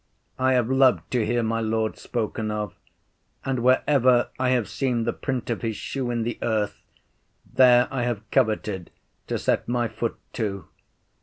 I have loved to hear my Lord spoken of, and wherever I have seen the print of his shoe in the earth, there I have coveted to set my foot too.